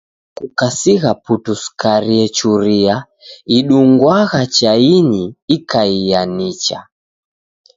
Ela kukasigha putu sukari echuria idungwagha chainyi ikaiaa nicha.